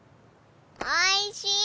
おいしい！